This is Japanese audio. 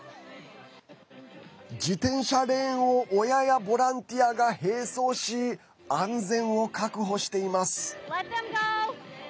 自転車レーンを親やボランティアが並走し安全を確保しています。